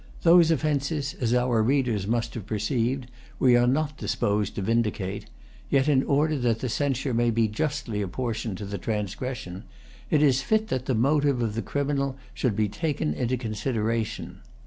Those offences, as our readers must have perceived, we are not disposed to vindicate; yet, in order that the censure may be justly apportioned to the transgression, it is fit that the motive of the criminal should be taken into consideration.